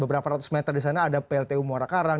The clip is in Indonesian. beberapa ratus meter di sana ada pltu muara karang